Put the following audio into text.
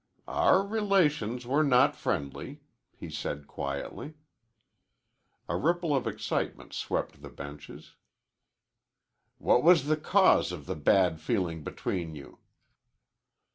"Our relations were not friendly," he said quietly. A ripple of excitement swept the benches. "What was the cause of the bad feeling between you?"